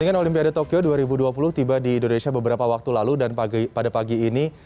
pertandingan olimpiade tokyo dua ribu dua puluh tiba di indonesia beberapa waktu lalu dan pada pagi ini